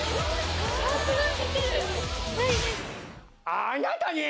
あなたね！